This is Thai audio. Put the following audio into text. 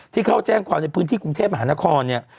ที่เขาแจ้งความในพื้นที่กรุงเทพฯอาฮาระครเนี่ย